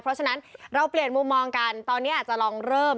เพราะฉะนั้นเราเปลี่ยนมุมมองกันตอนนี้อาจจะลองเริ่ม